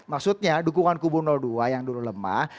maksudnya dukungan kubu dua yang dulu lemah